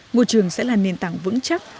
ngôi trường sẽ là nền tảng vững chắc